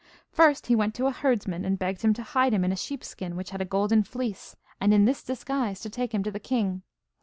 First he went to a herdsman, and begged him to hide him in a sheepskin, which had a golden fleece, and in this disguise to take him to the king.